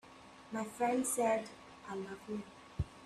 My friend said: "I love you.